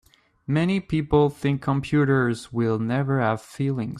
Many people think computers will never have feelings.